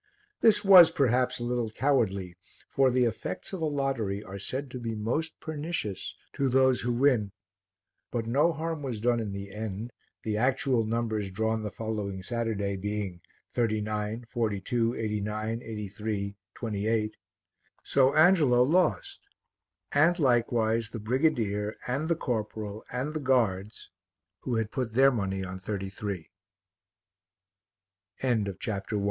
This was perhaps a little cowardly, for the effects of a lottery are said to be most pernicious to those who win. But no harm was done in the end, the actual numbers drawn the following Saturday being 39, 42, 89, 83, 28, so Angelo lost and likewise the brigadier and the corporal and the guards who had put their money on 33. CASTELLINARIA CHAPTER II P